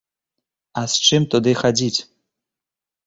А з чым туды хадзіць?